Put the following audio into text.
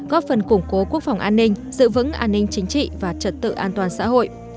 góp phần củng cố quốc phòng an ninh giữ vững an ninh chính trị và trật tự an toàn xã hội